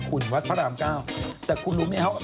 คุณวัดพระรามเก้าแต่คุณรู้ไหมครับ